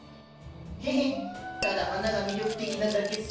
ヘヘッただ花が魅力的なだけさ。